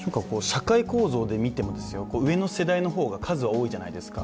社会構造で見ても、上の世代の方が数が多いじゃないですか。